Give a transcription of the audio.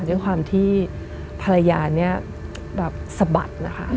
ด้วยความที่ภรรยาเนี่ยแบบสะบัดนะคะ